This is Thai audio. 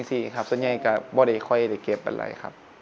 สักอย่างก็ไม่ได้ค่อยเก็บเป็นไรครับ